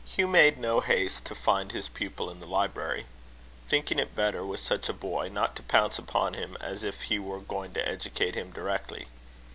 Hugh made no haste to find his pupil in the library; thinking it better, with such a boy, not to pounce upon him as if he were going to educate him directly.